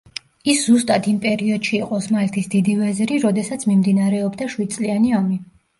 ის ზუსტად იმ პერიოდში იყო ოსმალეთის დიდი ვეზირი, როდესაც მიმდინარეობდა შვიდწლიანი ომი.